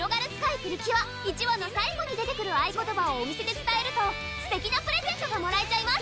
プリキュア１話の最後に出てくるあいことばをお店で伝えるとすてきなプレゼントがもらえちゃいます！